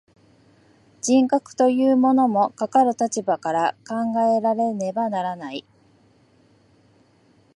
人格というものも、かかる立場から考えられねばならない。